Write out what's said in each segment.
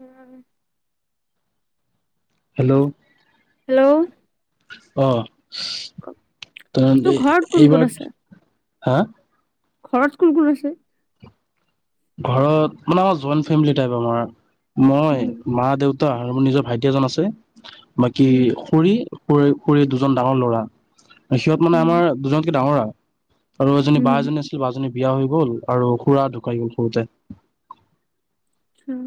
উম hello hello অ কাৰ তোৰ ঘৰত কোন কোন এইবাৰ আছে? হা ঘৰত কোন কোন আছে ঘৰত মানে আমাৰ জইণ্ট ফেমিলি টাইপ আমাৰ মই উম মা দেউতা আৰু মোৰ নিজৰ ভাইটি এজন আছে বাকী উম খুৰি কৰি খুৰী দুজন ডাঙৰ ল'ৰা আৰু সিহত মানে উম আমাৰ দুজনকে ডাঙৰ আৰু এজনী উম বা এজনী আছিল বাজনী বিয়া হৈ গ'ল আৰু খুৰা ঢুকাই গল কত এ উম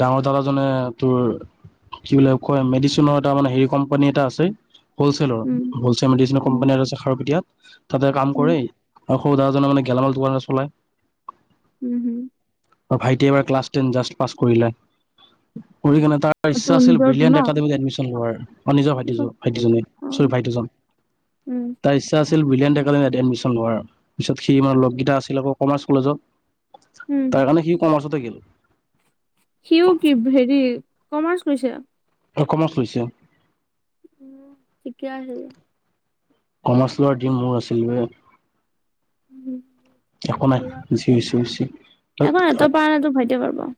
ডাঙৰ দাদাজনে তোৰ কি বোলে কয় মেডিচিনৰ এটা মানে হেৰি কোম্পানী এটা আছে হ'লচেলৰ উম হ'লচেল মেডিচিনৰ উম কম্পানী আছে খাৰুপেটিয়াত ততে কাম উম কৰে আৰু সৰু দহজনে মানে গেলামাল দোকান চলায় উম হম ভাইটি এবাৰ ক্লছ টেন জা পাছ কৰিলা পৰি কিনে তাৰ তোৰ ইচ্ছা আছিল নিজৰটো বিলিয়ন ন একাডেমীত এডমিচন লোৱাৰ মোৰ নিজৰ ভাইটি পিছত টো ভাইটিজনী অ চৰি ভাইটিজন উম তাৰ ইচ্ছা আছিল বিলিয়ন একা এডমিশ্যন লোৱাৰ আৰু পিছত সি আমাৰ তাৰপিছত, লগকেইটা আছিল আকৌ কমাৰ্চ কলেজত উম তাৰ কাৰণে সিও কমাৰ্চত গিলো সিও কি হেৰি কমাৰ্চ কৰিছে ৰকমত হৈছে উম ঠিকে আহে কমাৰ্চ লোৱাৰ ডিম বোৰ আছিল বে উম একো নাই যি হৈছে হৈছে আকৌ এহঁতৰ পৰা নাই তোৰ ভাইট পা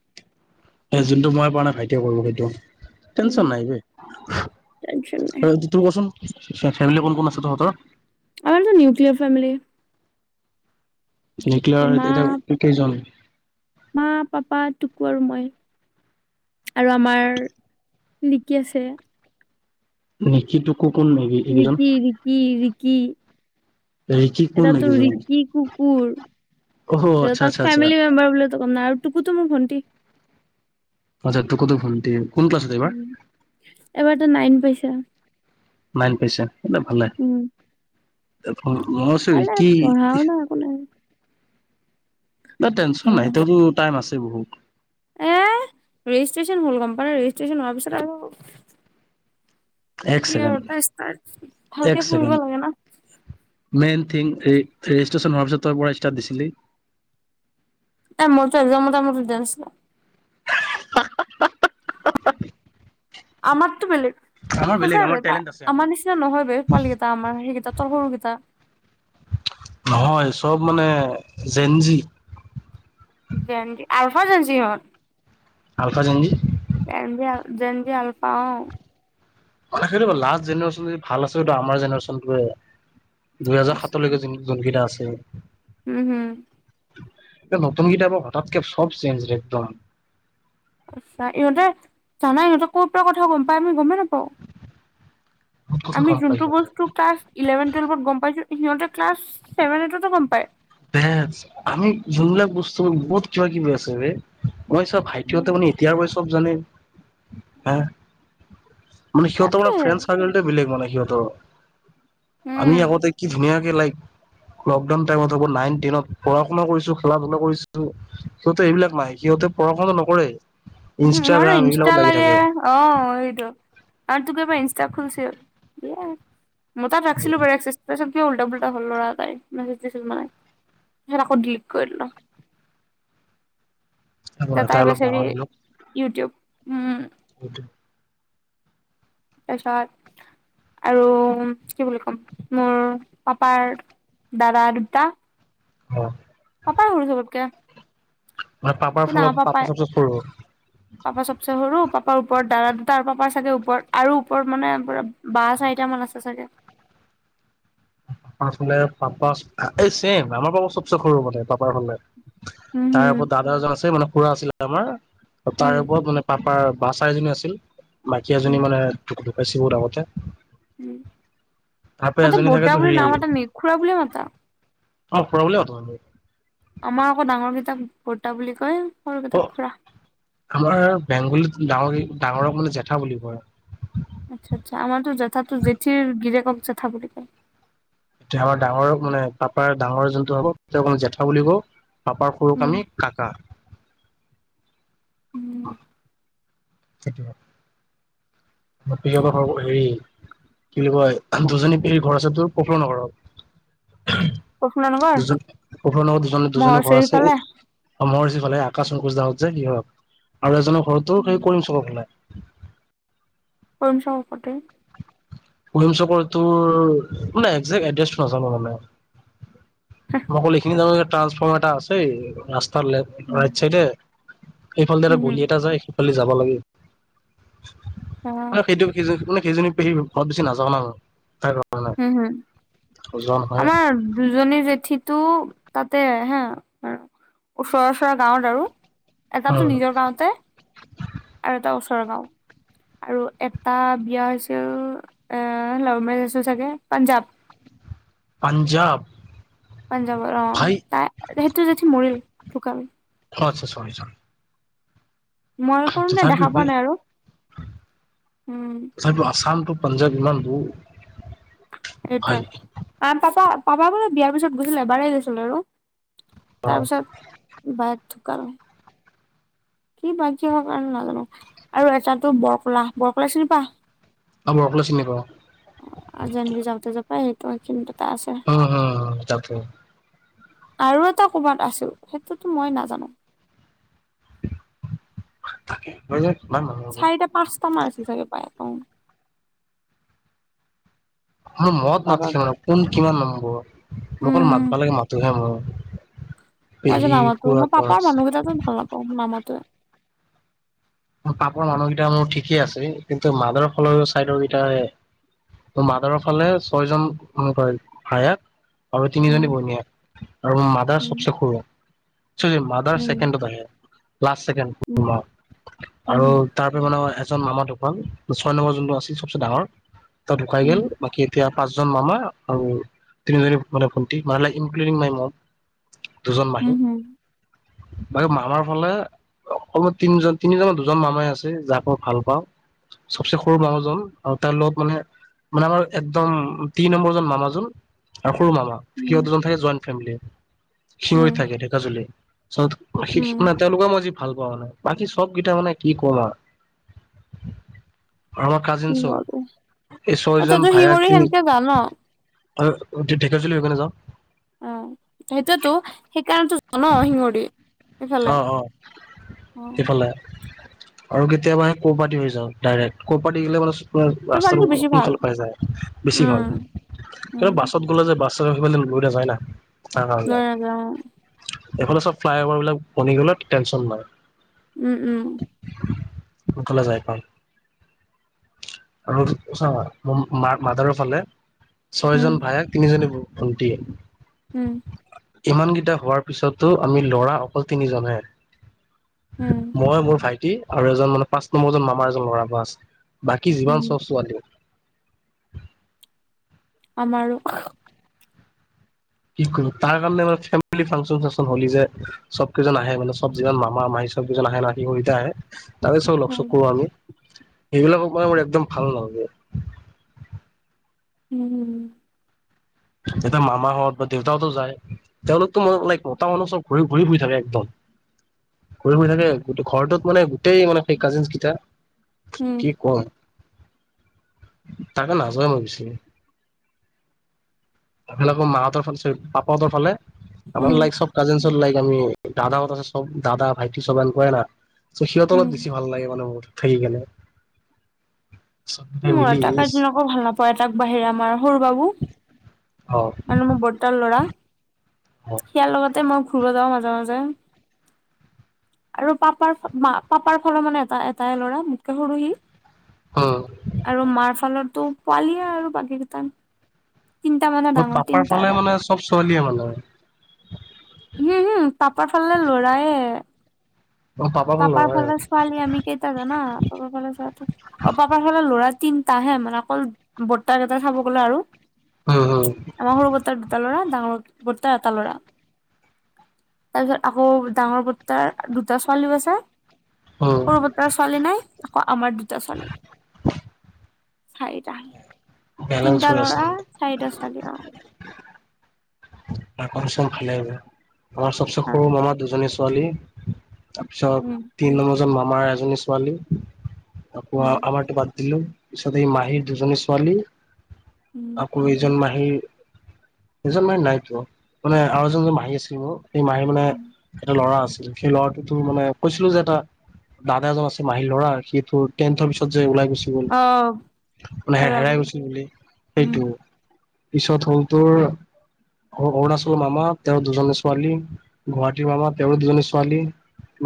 এ যোনটো মই পৰা নাই ভাইটিয়ে কৰো সেইটো উম টেনচন নাই টেনচন নাই তোৰ কচোন ফেমিলি কোন কোন আছে তহঁতৰ আৰুানো নিউক্লিয়াৰ ফোমিলি নিকলাৰ এতিয়া কেইজন মা পাপা টুকু আৰু মই আৰু আমাৰ নিকি আছে নেকি তো ৰিকি ৰিকি কি ৰিকি কোন এটাতো এইকেইজন ৰিকি অহ কুকুৰ এ আচ্ছা তাক আচ্ছা আচ্ছা ফেমিলি মেম্বাৰ বুলিো কম নাই আৰু ুকুতো মোৰ ভণ্টি আছা ত কতো ভন্টি উ এবাৰতো নাইন পাইছা নাইন পিছা এলে ভালে ত অ অচৰি ভালে কি পঢ়াও নাই একো নাই। ন টেনশ্যন উম, নাইতো টাইম আছে ছে বহু এ ৰেজিষ্ট্ৰেশচন হল কোম্পানীৰ ৰেজিষ্ট্ৰেশচন হোৱাৰ পিছত আৰু এক কি ছেকেণ্ড আৰু তাৰ এক ভালকে ছেকেণ্ড পঢ়িব লাগে ন মেইন থিং ৰেজিষ্ট্ৰেশচন হোৱাৰ পিছত তই পৰা ষ্টাৰ্ট দিছিলি এ মোৰতো একদাম মত মত আছিল [unintelligible] আমাৰতো বেলেগ আমাৰ বেলেগ সঁচা আমাৰ আৰু টেলেণ্ট আছে আমাৰ নিচিনা নহয় ব পোৱালী কেইটা আমাৰ সেইকেইটা তৰ সৰুকেইটা নহয় চব মানে জেঞ্জি জজ আলফা জেসিহঁত আলফা জঞ্জি জঞ্জি আলফাওঁ সেইটো লাষ্ট জেনেৰেশ্যন যদি ভাল আছে সটো আমাৰ জেনেৰেশ্যনোৱে দুইহেজাৰ সঁচা। সাতলৈকে যোনকেইটা আছে উ উম হম নতুনকিটা আকৌ হঠাৎকে চব চেঞ্জ একদম আচ্ছা ইহঁতে জানা ইহঁতে ক'ৰ পৰা কথা গম পাই আমি গমেই নাপাও বহুত কথা আমি গম পাই যোনটো সিহঁতে বস্তু ক্লাছ ইলেভেন টোৱেলভত গম পাইছো সিহঁতে ক্লাছ ছেভেনটতো গম পায়। বচ আমি যোনবিলাক বস্তু বুজ্ত বহুত কিবা কিবি আছে বে। মই চা ভাইটিহতে মানে এতিয়াৰ পৰাই চব জানে হা। মানে সিহতৰ তাকে মানে ফ্ৰেণ্ড চাৰ্কেলটোয়ে বেলেগ মানে। সিঁহতৰ। আমি উম আগতে কি ধুনীয়া লক লকডাউন টাইমত। নাইন টেনত পঢ়া শুনা কৰিছো খেলা ধূলা কৰিছো সিহঁতে এইবিলাক নাই সিহঁতে পঢ়া শুনা নকৰে। উম ম ইনষ্টাগ্ৰাম ইনষ্টা এইবিলাকত লাগি লাগে থাকে। অ সেইটো আৰু তোকে বা ত খোনছে বি মোৰ তাত ৰাখিছিলো বাৰ একচিছ তাৰ পিছত উল্টা পুল্টা হ'ল ল'ৰা এতাই মেছেজ দিছিল মানে সেইখন আকৌ ডিলিট কৰি দিলো এতিয়া তাই অলপ ডাঙৰ বিচাৰি ইউটিউব। উম। সইটো তাৰপিছত আৰু কি বুলি ক'ম মোৰ পাপাৰ দাদা দুটা। অ। পাপাই সৰু চবতকে। মানে পাপাৰ কি ন ফালৰ পাপা পাপাই চবচে সৰু। পাপা চবচে সৰু পাপাৰ ওপৰত দাদা দুটা আৰু পাপাৰ চাগে ওপৰত আৰু ওপৰত মানে পৰা বা চাৰিটা মান আছে চাগে াপে পাপা এই ছেইম আমাৰ পাপা চবচে সৰু মান পাপ ভালে উম তাৰ হুম ওপৰত দাদা এজন আছে মানে। খুৰা আছিলে আমাৰ। তাৰ উম ওপৰত মানে পাপাৰ বা চাৰিজনী আছিল। মাইকী এজনী উম মানে ধুকু ধুক বেছি মৰা আগতে। তাৰ প এজনী থাকে। নামাটা নে খুৰা বুলিয়েই মাতা? অ খুৰা বুলি মাতো আমি। আমাৰ আকৌ ডাঙৰ কিতাক বৰ্তা বুলি কয়। সৰু অ কেইটাক খুৰা আমাৰ বেংগলীত গাৱৰ ডাঙৰক মানে জেঠা বুলি কয় আৰু আচ্ছা-আচ্ছা আমাৰতো জেঠাটো জেঠিৰ গিৰেকক জেঠা বুলি কয়। এতিয়া আমাৰ ডাঙৰক মানে পাপাৰ ডাঙৰ যোনটো হ'ব অক জেঠা বুলি ক পাপাৰ সৰুক উম আমি কাকা উম হয় চিতিব প ঘ হেৰি কি বুলি কয় দুজনী পেহীৰ ঘৰ আছে তোৰ প্ৰফুলন ঘৰ প্ৰফুল্ল নগৰ দুজন পখ নৰ দুজন দুজনী ঘৰ মহৰচেৰি ফালে আছেৰ কলে আকাশ অকোচ দাত যে সহক আৰু এজনক ঘৰতও খেৰি কৰিম চব পেলাই [inaudible] হয় চাব পতে কম চকৰ তোৰ মানে একজেক্ট এড্ৰেছটো নাজানো মানে মই অকল এইখিনি যাম ট্ৰান্সফৰ্মাৰটা আছে ৰা পালে উম ৰাইট চাইদে সেইফাল দৰা হুম গলি এটা যায় যাব লাগে আৰু সেইটো সেইটো মানে কেইজনী পিহিব অলপ বেছি নাযাওঁ ন তাই হুম হুম আমাৰ দুজনী জেঠী তটো তাতে হা ওচৰা ওচৰা গাঁৱত আৰু এটাছোন উম নিজৰ গাওঁতে আৰু এটা ওচ আৰু এটা বিয়া হৈছিল এ লাভে চাগে পাঞ্জাব পঞ্জাৱ পাঞ্জাৱৰ অ তাই সেইটো জেঠি মৰিল ঢোকালে অ আচ্ছা চৰি চৰি মই কৰো নাই দেখা পোৱা নাই আৰু উম হয় তটো আছাল টো পাঞ্জাব ইমান ব এইটোৱে আহ পাপা পাপা তাৰপিছত বা টো কৰা কি ব কিহ কাৰণে নাজানো আৰু এটাতো বৰকলা বৰকলোলা চৰিপা আব অকলে চিনি পাও। আজানবি যাওঁ তে যাও হয়ায় তোম কিন্তু। হ হ হম তাপে আৰু এটা ক'বাত আছিল সেইটোতো মই নাজানো। থাকে মই চাৰিটা পাঁচটা মাৰ আছে চাগে পায়। মানে মদ পাপা নাছিলে মানে কোন কিমান? অ মোক অকল উম, মাতবা লাগে মাতোহে মই। মই যে নামাতো মই পাপাৰ মানুহকেইটা ভাল নাপাওঁ নামাতোৱে। পাপাৰ মানুহকেইটা মোৰ ঠিকেই আছে। কিন্তু মাদাৰৰ ফালৰ চাইডৰ কেইটাই, মাদাৰৰ ফালে ছয়জন মোমাই ভায়েক আৰু উম, তিনিজনী বনিয়েক। আৰু মাদাৰ উম, সবচে সৰু। চৰি মাদাৰ উম, ছেকেণ্ডত আহে। লাষ্ট ছেকেণ্ড উম, মা। উম, আৰু হম, তাৰপ মানত এজন মামাৰ দোকাল ছয় নম্বৰ যোনটো আছিল চবচে ডাঙৰ ঢুকাই গল উম, বাকী এতিয়া পাঁচজন মামা আৰু তিনিজনী মানে ভণ্টি মানে ইনক্লুডিং মাই মম। দুজন মাহী। উম, হম, বাকী মামাৰ ফালে অকন তিনিজন তিনিজনৰ দুজন মামাই আছে যাক মই ভাল পাওঁ চবচে সৰু মামাজন আৰু তাৰ লগত মানে- মানে আমাৰ একদম তিনি নম্বৰ জন মামাজন আৰু সৰু মামা উম, সিহঁত দুজন থাকে জইন ফেমেলীত। উম, শিয়ৰিত থাকে ধেকা জুলি চত উম, [unintelligible] তেওঁলোকৰ মইজি। ভাল পোৱা নাই বাকী চ সবকেইটা মানে কি কম আৰ শিৱৰী এই ছয়জন ততো শিৱৰি সেনেকে গা ন? আৰু ঢেকীয়াজুলি হৈ কিনে যাওঁ। অ সেইটোয়েটো সেইকাৰণেটো জা ন শিঙৰি। এইফালে অঁ অঁ অ', এইফালে আৰু কেতিয়াবা সেই ক'পাতি হৈ যাওঁ ডাইৰেক্ট ক'ৰপাতি গলে মানে ৰাস্তাটো সেইফালেতো বেছি ভাল সোনকালে পাই যায় বেছি ভাল উম, উম, কিন্তু বাছত গ'লে যে [unintelligible] ভয় না তাৰ অ কাৰণে অ এইফালে চব ফ্লাইঅ'ভাৰ বিলাক মণী গুলাত টেনশ্যন নাই উম উম সফালে যাই পাম আৰু মোৰ মা মাদাৰৰ ফালে ছয় উম, জন ভায়েক তিনিজনী বোৰ থটি উম ইমান কেইটা হোৱাৰ পিছতো আমি ল'ৰা অ তিনিজন হে উম, মই মোৰ ভাইটি আৰু এজন মানে পাঁচ নম্বৰ জন মামাৰ এজন ল'ৰা বা আছে বাকী যিমান উম, চব ছোৱালী আমাৰো কি কৰো তাৰ কাৰণে মান ফেমলি ফাংচন চাংচন হলি যে চব কেইজন আহে মানে চব কিজন মামা মাহী চব কেইজন আহে না সি সতে আহে তাৰে চব লক্ষ্য উম, কৰো আমি এইবিলাকো কো আমাৰ একদম ভাল নালাগে উম উম দেউতা মামাহত বা দেউতাহঁতো যায় তেওঁলোকতো মান লাই মতা মানুহ চব ঘূৰি ঘূৰি ফুৰি থাকে একদম ঘূৰি ফুৰি থাকে গ ঘৰটোত মানে গোটেই মানে সেই কাজিন কেইটা উম, কি কোন তাকে নাযায় মই বিছ এফালে ক মাহঁতৰ ফালে পাপাহঁতৰ ফালে উম, আমাৰ লাইক চব কাজিনছত লাইক আমি দাদাও ত সব দাদা ভাইটি চব এনেকোৱাই না চ সিহঁত উম অলপ বেছি ভাল লাগে মানে মোৰ থাকিকেনে মোৰ এটা কাজিন আকৌ ভাল নাপায় এটাক বাহিৰে আমাৰ সৰু খাব অ আৰু মোৰ বৰটা ল'ৰা অ সেয়া লগতে মই ঘূৰিব যাওঁ মাজে মাজে আৰু পাপাৰ মা পাপাৰ ফালৰ মানে এটা এটাই ল'ৰা মোতকে সৰুহি উম আৰু মাৰ ফালতো পোৱালিয়ে আৰু বাকী কেইটা তিনটা মানে মোৰ ডাঙৰ পাপাৰ তিনটা ফালে এটা মানে চব ছোৱালীয়ে মানে উম হুম পাপাৰ ফালে লৰাইয়ে। হে পাপাৰ ফালে ছোৱালী আমি কেইটা জানা? পাপাৰ ফালে চোৱা অ', পাপাৰ ফালে ল'ৰা তিন তাহে মানে অকল বৰ্তাক কেইটা চাব গ'লে আৰু। উম উম আমাৰ সৰু বতাৰ দুটা ল'ৰা। ডাঙৰ বৰ্তাৰ এটা ল'ৰা তাৰপিছত আকৌ ডাঙৰ বৰ্তাৰ দুটা [unintelligible] উম সৰু বৰ্তাৰ ছোৱালী নাই আকৌ আমাৰ দুটা ছোৱালী। চাৰিটা, বেলেঞ্চ তিনটা হৈ আছে লৰা চাৰিটা ছোৱালী আৰু। [inaudible] ঘৰৰ সবচে সৰু মামা দুজনী পোৱালী তাৰ পিছত উম তিন নম্বৰ মামাৰ এজনী ছোৱালী। আকৌ উম আমাৰ তোমাৰ দিলোঁ, পিছত এই মাহীৰ দুজনী ছোৱালী উম আকৌ এজন মাহ হেই এজন মাহী নাই পোৱা। মানে আৰু এজন মাহী আছিল মোৰ সেই মাহী মানে এটা ল'ৰা আছে। সেই ল'ৰাটোতো মানে কৈছিলোঁ যে এটা, দাদা এজন আছে মাহীৰ ল'ৰা, সিটো টেন্থৰ পিছত যে ওলাই গৈ অ মানে হেৰাই গৈছিল বুলি উম সেইটো। পিছত হ'ল তোৰ অৰুণাচলৰ মামা, তেওঁৰ দুজনী ছোৱালী। গুৱাহাটীৰ মামা, তেওঁৰ দুজনী ছোৱালী।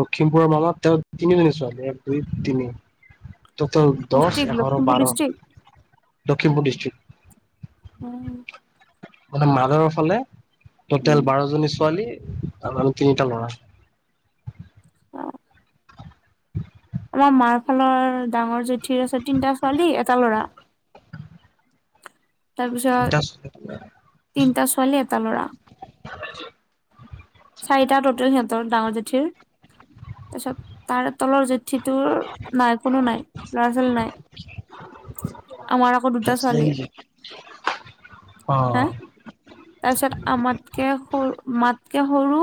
লখিমপুৰৰ মামা তেওঁৰ তিনিজনী ছোৱালী। এক, দুই, তিনি। টোটেল দশ, ডিষ্ট্ৰিক্ট এঘাৰ, লখিমপুৰ বাৰ। District Lakhimpur district. উম। মানে মাদাৰৰ ফালে উম। টোটেল বাৰ জনী ছোৱালী। আৰু তিনিটা ল'ৰা। অ'। আমাৰ মাৰ ফালৰ ডাঙৰ জেঠীৰ আছে তিনটা ছোৱালী এটা ল'ৰা। তাৰপিছত, তিনিটা তিনিটা ছোৱালী এটা ল'ৰা। চাৰিটা টোটেল সিহত তৰ ডাঙৰ জেঠীৰ তাৰপছত তাৰ তলৰ জুঠিটো নাই কোনো নাই ল'ৰা ছোৱালী নাই আমাৰ আকৌ দুটা ছোৱালী অ হা তাৰপিছত আমাতকে সৰু মাতকে সৰু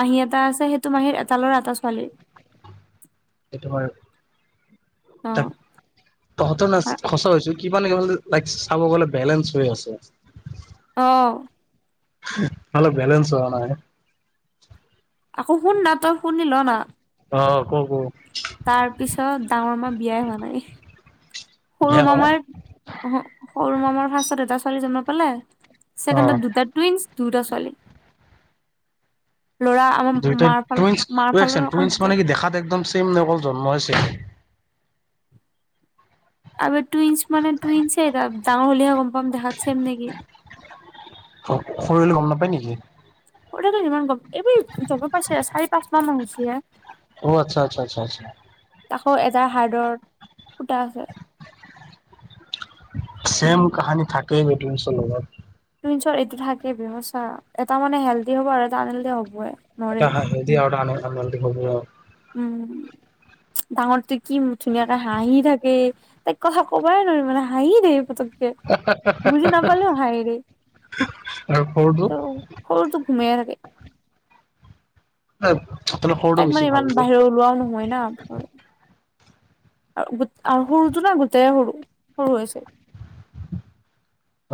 মাহী এটা আছে সেইটো মাহীৰ এটা লৰা এটা ছোৱালী সেইটো হয় অ তহঁতৰ ন খচা হৈছে কিমান কি লাইক চাব গলে বেলেঞ্চ হৈ আছে অহ নাল বোলনচ হ য়ন আকৌ শুন না তই শুনি ল না অ ক ক তাৰ পিছত ডাঙৰ মা বিয়াই হোৱা নাই সৰু বিয়া হোৱা মামাৰ নাই অ সৰু মামাৰ ফাৰ্ষ্টত এটা ছো ছোৱালী জন্ম পালে অ ছেকেণ্ডত দুটা টুইঞ্চ দুটা চলে দুইটাই টুইঞ্চ অকল টইন্ দুটা মানে কি দেখাত একদম চেম ন অকল জন্ম হৈছে আগত টুইঞ্চ মানে টুইন্ঞ্চ এই দ ডাঙৰ হলেহে গম পাম দেখাত চেম নেকি শৰীৰলৈ গম নাপায় নি উম স ইমান গম এইবোৰ যাব পাৰছে চাৰি পাঁচমা মান হৈছে হে অ আচ্ছা আচ্ছা আচ্ছা আচ্ছা আকৌ এটাৰ হাৰ্ডৰ ফুটা আছে চেম কাহানী থাকেই সেইটো মিছৰ লগত টুইঞ্চৰ এইটো থাকেই বেমাৰ চা এটা মানে হেল্ডি হ'ব আৰু এটা আনহেলল্ডি হবই নৰে এটা হাঁহি দিয়ে আৰু এটা আনে ভাল হ'ব আৰু উম ডাঙৰটো কি ধুনীয়াকে হাঁহি থাকে তাইক কথা কবাই নোৱাৰি মানে হাঁহি থাকে পতক বুজি নাপালেও হাঁহে ৰে আৰু সৰুটো তো সৰুটো ঘোমাই থাকে অ তাইক মানে ইমান বাহিৰৰ ওলোৱাও নহয় না ঘ গ আৰু সৰুটো না গোটেই সৰু সৰু হৈছে অ